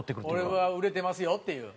俺は売れてますよっていう。